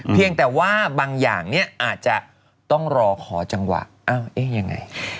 เพียงแต่ว่าบางอย่างเนี่ยอาจจะต้องรอขอจังหวะอ้าวเอ๊ะยังไง